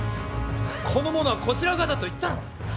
この者はこちら側だと言ったろう。